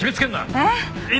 えっ？